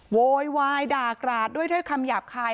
โวยวายด่ากราดด้วยถ้อยคำหยาบคาย